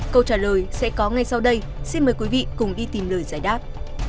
câu trả lời sẽ có ngay sau đây xin mời quý vị cùng đi tìm lời giải đáp